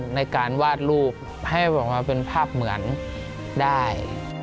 ในการวาดรูปให้บอกว่าเป็นภาพเหมือนได้